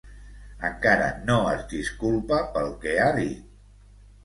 Encara no es disculpa pel què ha dit.